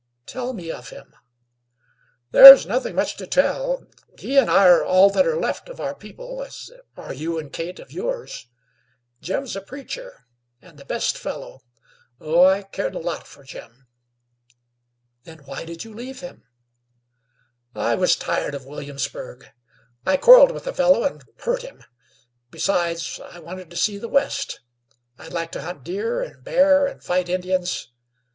"Tell me of him." "There's nothing much to tell. He and I are all that are left of our people, as are you and Kate of yours. Jim's a preacher, and the best fellow oh! I cared a lot for Jim." "Then, why did you leave him?" "I was tired of Williamsburg I quarreled with a fellow, and hurt him. Besides, I wanted to see the West; I'd like to hunt deer and bear and fight Indians.